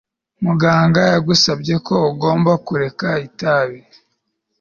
Muganga yagusabye ko ugomba kureka itabi